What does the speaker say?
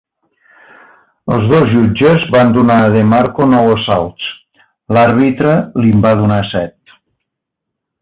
Els dos jutges van donar a DeMarco nou assalts, l'àrbitre li'n va donar set.